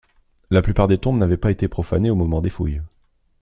La plupart des tombes n'avaient pas été profanées au moment des fouilles.